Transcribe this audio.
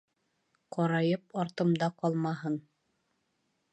Ҡарайып артымда ҡалмаһын.